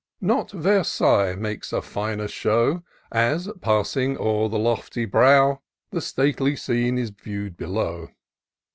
131 Not Versailles makes a finer show, As, passing o'er the lofty brow, The stately scene is view'd below.